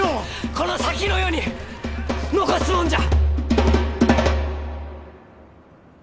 この先の世に残すもんじゃ！